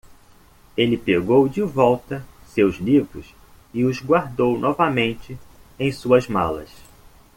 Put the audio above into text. Ele pegou de volta seus livros e os guardou novamente em suas malas.